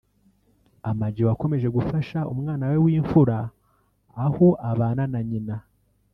Ama G wakomeje gufasha umwana we w’imfura aho abana na Nyina